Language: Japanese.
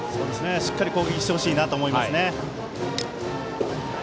しっかり攻撃してほしいと思います。